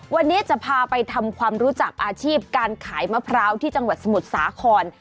วันนี้จะพาไปทำความรู้จักอาชีพการขายมะพร้าวที่จังหวัดสมุทรสาคร